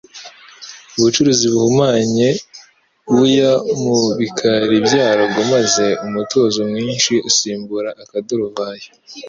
Ubucuruzi buhumanye buya mu bikari byarwo, maze umutuzo mwinshi usimbura akaduruvayo.